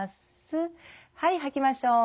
はい吐きましょう。